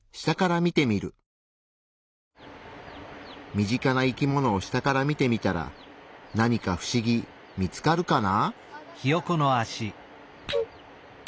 身近な生き物を下から見てみたらなにかフシギ見つかるかな？